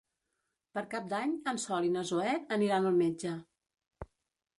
Per Cap d'Any en Sol i na Zoè aniran al metge.